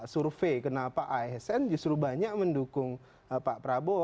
survei kenapa asn justru banyak mendukung pak prabowo